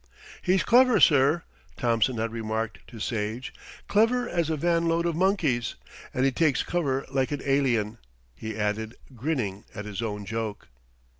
"He's clever, sir," Thompson had remarked to Sage, "clever as a vanload of monkeys, and he takes cover like an alien," he added grinning, at his own joke.